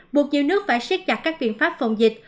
buộc nhiều nước phải xét chặt các viện pháp phòng dịch